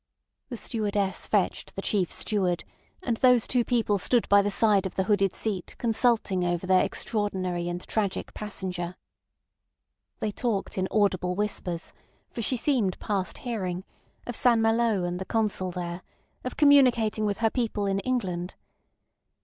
The stewardess fetched the chief steward, and those two people stood by the side of the hooded seat consulting over their extraordinary and tragic passenger. They talked in audible whispers (for she seemed past hearing) of St Malo and the Consul there, of communicating with her people in England.